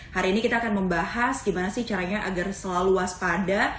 hari ini kita akan membahas gimana sih caranya agar selalu waspada